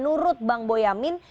menurut bang boyamin